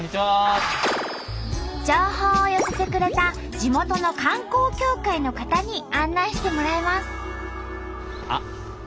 情報を寄せてくれた地元の観光協会の方に案内してもらいます。